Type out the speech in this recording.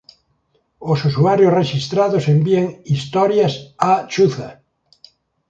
Os usuarios rexistrados envían historias a Chuza!